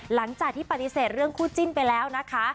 หลังจากที่ปฏิเสธเรื่องคู่จิ้นไปแล้วนะคะ